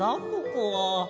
ここは。